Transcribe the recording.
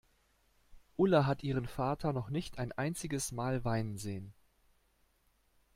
Ulla hat ihren Vater noch nicht ein einziges Mal weinen sehen.